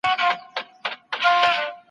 هغه موټر چلیږي چي تیل ولري.